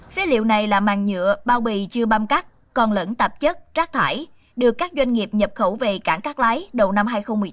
phế liệu này là màng nhựa bao bì chưa băm cắt còn lẫn tạp chất rác thải được các doanh nghiệp nhập khẩu về cảng cát lái đầu năm hai nghìn một mươi tám